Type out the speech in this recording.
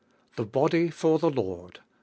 THE BODY FOR THE LORD I.